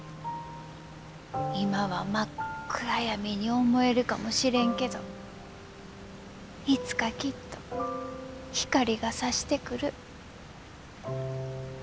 今は真っ暗闇に思えるかもしれんけどいつかきっと光がさしてくる。